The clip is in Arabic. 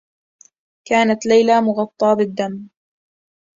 كانت ليلى مغطّاة بالدّم.